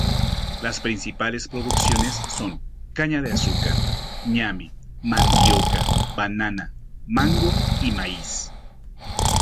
Las principales producciones son caña de azúcar, ñame, mandioca, banana, mango y maíz.